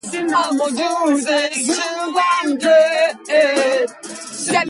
Margaret Rutherford's early life was overshadowed by tragedies involving both of her parents.